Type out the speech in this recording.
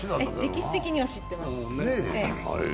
歴史的には知ってます。